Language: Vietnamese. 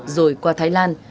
rồi qua thái lan